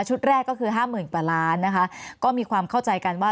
ชุดแรกก็คือ๕๐๐๐๐บาทนะคะก็มีความเข้าใจกันว่า